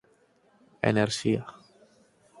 Enerxía